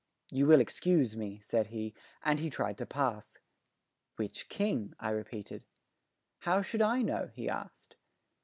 "You will excuse me," said he, and tried to pass. "Which king?" I repeated. "How should I know?" he asked.